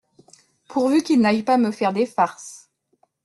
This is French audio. Pourvu qu’il n’aille pas me faire des farces…